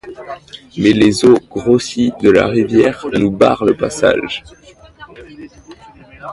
Mais les eaux grossies de la rivière nous barrent le passage.